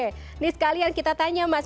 ini sekalian kita tanya mas